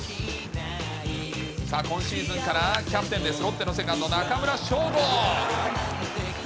今シーズンからキャプテンで、ロッテのセカンド、中村奨吾。